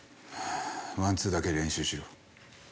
ワンツーだけ練習しろ。